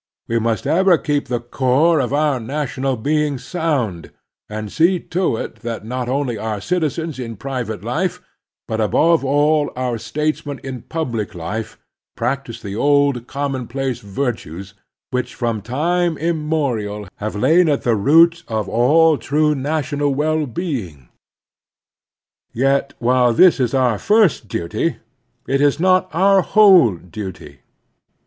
We must ever keep the core of our national being sound, and see to it that not only our citizens in private life, but, above all, oiu statesmen in public life, prac National Duties 273 tise the old commonplace virtues which from time immemorial have lain at the root of all true national well being. Yet while this is our first duty, it is not our whole duty.